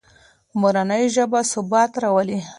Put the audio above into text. مورنۍ ژبه ثبات راولي.